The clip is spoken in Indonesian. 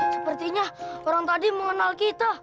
sepertinya orang tadi mau kenal kita